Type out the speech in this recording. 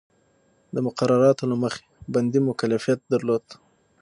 د مقرراتو له مخې بندي مکلفیت درلود.